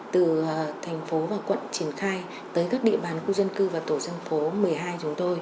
từ thành phố và quận triển khai tới các địa bàn khu dân cư và tổ dân phố một mươi hai chúng tôi